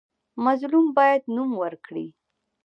مظلوم باید نوم ورکړي.